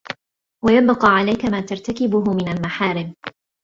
وَيَبْقَى عَلَيْك مَا تَرْتَكِبُهُ مِنْ الْمَحَارِمِ